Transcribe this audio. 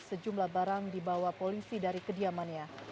sejumlah barang dibawa polisi dari kediamannya